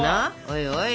おいおい！